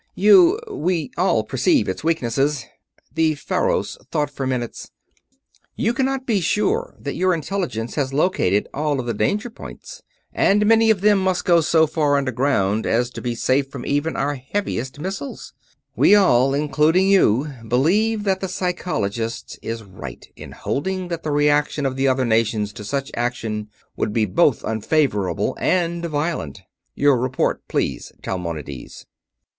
"You we all perceive its weaknesses." The Faros thought for minutes. "You cannot be sure that your Intelligence has located all of the danger points, and many of them must be so far underground as to be safe from even our heaviest missiles. We all, including you, believe that the Psychologist is right in holding that the reaction of the other nations to such action would be both unfavorable and violent. Your report, please, Talmonides."